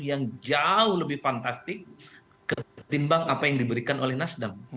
yang jauh lebih fantastik ketimbang apa yang diberikan oleh nasdem